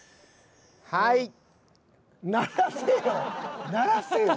はい。